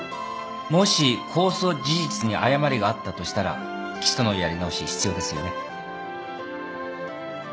もし公訴事実に誤りがあったとしたら起訴のやり直し必要ですよね。